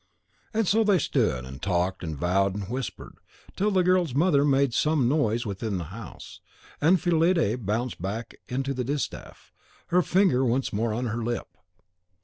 And so they stood, and talked, and vowed, and whispered, till the girl's mother made some noise within the house, and Fillide bounded back to the distaff, her finger once more on her lip.